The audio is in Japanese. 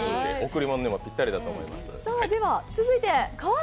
贈り物にもぴったりだと思います。